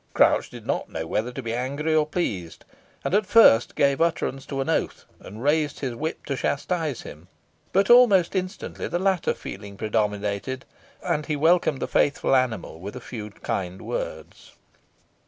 Crouch did not know whether to be angry or pleased, and at first gave utterance to an oath, and raised his whip to chastise him, but almost instantly the latter feeling predominated, and he welcomed the faithful animal with a few kind words.